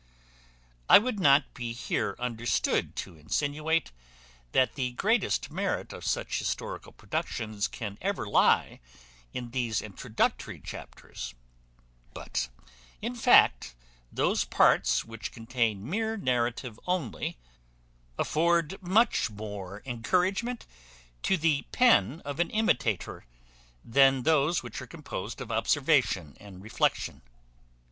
I would not be here understood to insinuate, that the greatest merit of such historical productions can ever lie in these introductory chapters; but, in fact, those parts which contain mere narrative only, afford much more encouragement to the pen of an imitator, than those which are composed of observation and reflection.